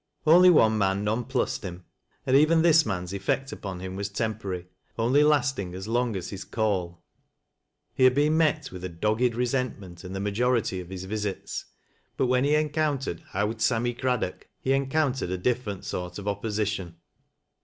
Only one man nonphised him, and even this man's effect apon him was temporary, only lasting as long as his call. lie had been met with a dogged resentment in the major ity of his visits, but when he encountered ' Owd Sammy Craddock ' he encountered a different sort of opposition.